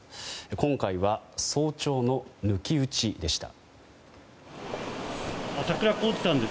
今回は早朝の抜き打ちでした。